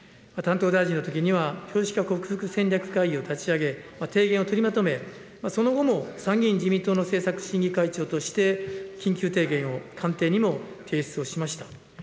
担当大臣のときには、少子化克服戦略会議を立ち上げ、提言を取りまとめ、その後も参議院自民党の政策審議会長として、緊急提言を官邸にも提出をしました。